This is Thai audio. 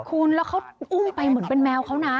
คุณแล้วเขาอุ้มไปเหมือนเป็นแมวเขานะ